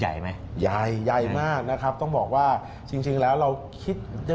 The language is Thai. ใช่หรือว่าการท่องเที่ยวของไทยนี่